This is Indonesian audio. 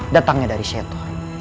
datangnya dari syaitan